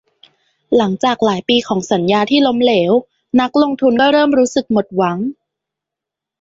หลังจากหลายปีของสัญญาที่ล้มเหลว นักลงทุนก็เริ่มรู้สึกหมดหวัง